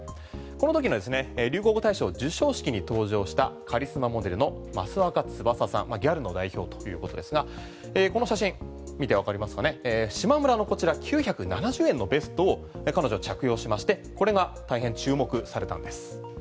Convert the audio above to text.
このときのですね流行語大賞授賞式に登場したカリスマモデル益若つばささんギャルの代表ということですがこの写真見てわかりますかねしまむらの９７０円のベスト彼女が着用しましてこれが大変注目されたんです。